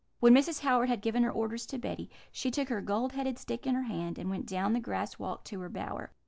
"When Mrs. Howard had given her orders to Betty, she took her gold headed stick in her hand, and went down the grass walk to her bower.